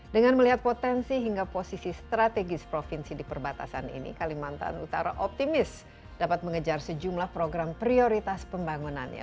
dengan melihat potensi hingga posisi strategis provinsi di perbatasan ini kalimantan utara optimis dapat mengejar sejumlah program prioritas pembangunannya